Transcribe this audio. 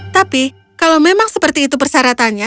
tapi kalau memang seperti itu persyaratannya